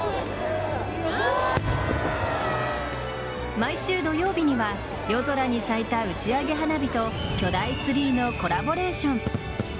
毎週土曜日には夜空に咲いた打ち上げ花火と巨大ツリーのコラボレーション。